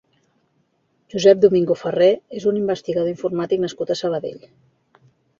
Josep Domingo-Ferrer és un investigador informàtic nascut a Sabadell.